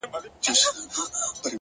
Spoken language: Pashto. د عمل سرعت د خوبونو عمر کموي!.